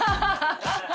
ハハハ